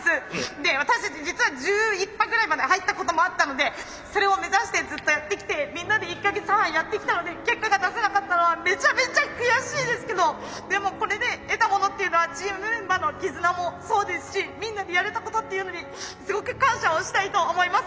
で私たち実は１１羽ぐらいまで入ったこともあったのでそれを目指してずっとやってきてみんなで１か月半やってきたので結果が出せなかったのはめちゃめちゃ悔しいですけどでもこれで得たものっていうのはチームメンバーの絆もそうですしみんなでやれたことっていうのにすごく感謝をしたいと思います。